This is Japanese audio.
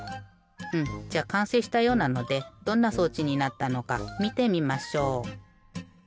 うんじゃあかんせいしたようなのでどんな装置になったのかみてみましょう。